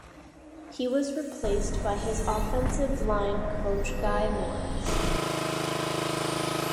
He was replaced by his offensive line coach Guy Morriss.